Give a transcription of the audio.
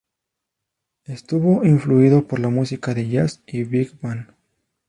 Estuvo influido por la música de jazz y Big Band.